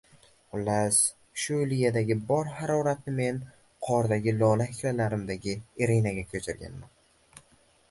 Xullas, shu Liliyadagi bor haroratni men Qordagi lola hikoyamdagi Irinaga ko‘chirganman